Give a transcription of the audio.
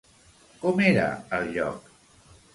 Com era el lloc?